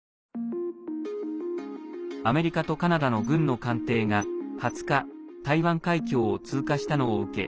アメリカとカナダの軍の艦艇が２０日、台湾海峡を通過したのを受け